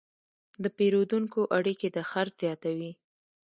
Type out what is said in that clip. د پیرودونکو اړیکې د خرڅ زیاتوي.